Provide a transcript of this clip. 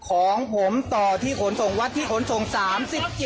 ของผมต่อที่ขนส่งวัดที่ขนส่ง๓๗